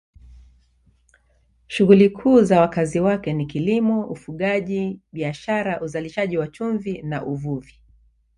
Shughuli kuu za wakazi wake ni kilimo, ufugaji, biashara, uzalishaji wa chumvi na uvuvi.